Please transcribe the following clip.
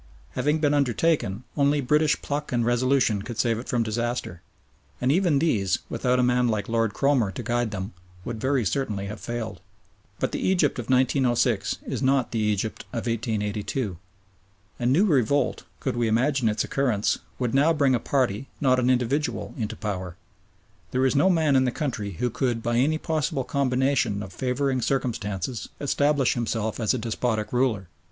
Having been undertaken, only British pluck and resolution could save it from disaster, and even these, without a man like Lord Cromer to guide them, would very certainly have failed. But the Egypt of 1906 is not the Egypt of 1882. A new revolt, could we imagine its occurrence, would now bring a party, not an individual, into power. There is no man in the country who could by any possible combination of favouring circumstances establish himself as a despotic ruler.